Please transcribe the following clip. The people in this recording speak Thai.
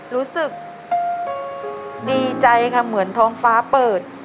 รู้สึกดีใจค่ะเหมือนท้องฟ้าเปิด